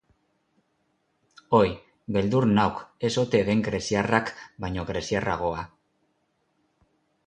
Oi, beldur nauk ez ote den greziarrak baino greziarragoa.